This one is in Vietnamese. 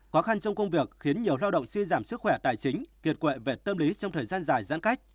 khó khăn trong công việc khiến nhiều lao động suy giảm sức khỏe tài chính kiệt quệ về tâm lý trong thời gian dài giãn cách